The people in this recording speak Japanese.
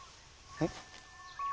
えっ？